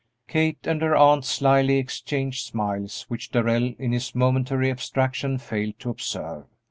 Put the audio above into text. Kate and her aunt slyly exchanged smiles, which Darrell in his momentary abstraction failed to observe.